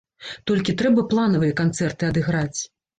Толькі трэба планавыя канцэрты адыграць.